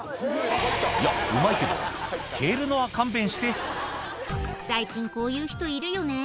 いや、うまいけど、蹴るのは最近、こういう人いるよね。